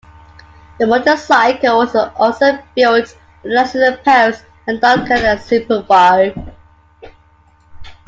The motorcycle was also built under licence in Paris by Duncan and Superbie.